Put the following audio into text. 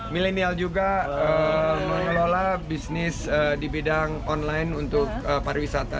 milenial juga mengelola bisnis di bidang online untuk pariwisata